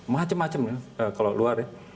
macem macem ya kalau luar ya